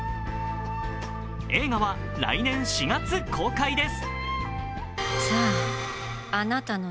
映画は来年４月公開です。